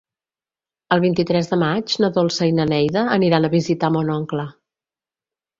El vint-i-tres de maig na Dolça i na Neida aniran a visitar mon oncle.